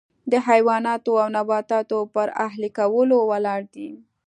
د حیواناتو او نباتاتو پر اهلي کولو ولاړ دی.